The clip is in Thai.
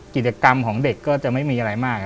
กิจกรรมของเด็กก็จะไม่มีอะไรมาก